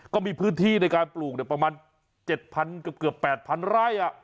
ก็มีพื้นที่ในการปลูกเนี่ยประมาณ๗๐๐๐กับเกือบ๘๐๐๐ไร้อ่ะ